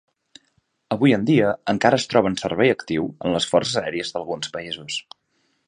Avui en dia encara es troba en servei actiu en les forces aèries d'alguns països.